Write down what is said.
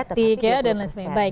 kosmetik ya dan lain lain